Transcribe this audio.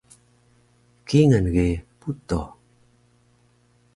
kingal ge puto